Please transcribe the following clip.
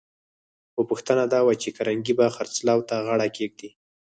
خو پوښتنه دا وه چې کارنګي به خرڅلاو ته غاړه کېږدي؟